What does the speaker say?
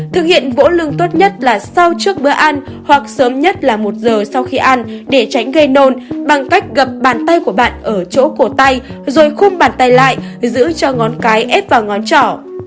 thực hiện vỗ lương tốt nhất là sau trước bữa ăn hoặc sớm nhất là một giờ sau khi ăn để tránh gây nôn bằng cách gặp bàn tay của bạn ở chỗ cổ tay rồi khung bàn tay lại giữ cho ngón cái ép vào ngón trỏ